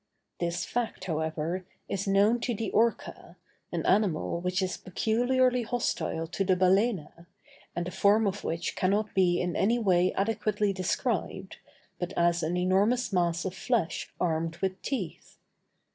This fact, however, is known to the orca, an animal which is peculiarly hostile to the balæna, and the form of which cannot be in any way adequately described, but as an enormous mass of flesh armed with teeth.